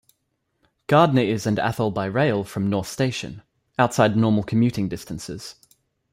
Gardner is and Athol by rail from North Station - outside normal commuting distances.